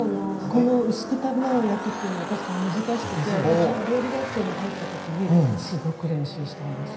この薄く卵を焼くっていうのは確かに難しくて私も料理学校に入った時にすごく練習したんです。